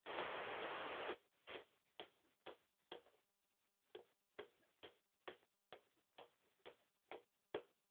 এটি এশিয়া মহাদেশের উদ্ভিদ।